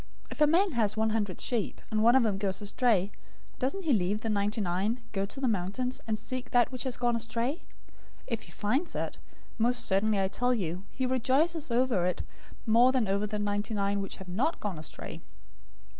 If a man has one hundred sheep, and one of them goes astray, doesn't he leave the ninety nine, go to the mountains, and seek that which has gone astray? 018:013 If he finds it, most certainly I tell you, he rejoices over it more than over the ninety nine which have not gone astray.